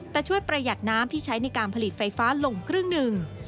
แต่ช่วยประหยัดน้ำที่ใช้ในการผลิตไฟฟ้าลงครึ่งหนึ่ง